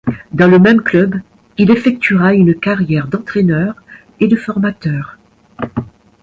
Dans le même club, il effectuera une carrière d'entraîneur et de formateur.